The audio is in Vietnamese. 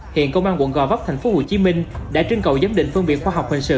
hiện công an quận gò bắp tp hcm đã trinh cầu giám định phân biệt khoa học hình sự